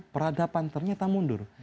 peradaban ternyata mundur